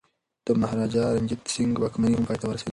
د مهاراجا رنجیت سنګ واکمني هم پای ته ورسیده.